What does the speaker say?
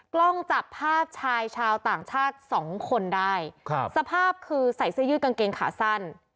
กล้องจับภาพชายชาวต่างชาติสองคนได้ครับสภาพคือใส่เสื้อยืดกางเกงขาสั้น